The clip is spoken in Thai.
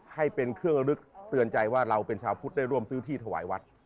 ให้เป็นเครื่องลึกเตือนใจว่าเราเป็นชาวพุทธได้ร่วมซื้อที่ถวายวัด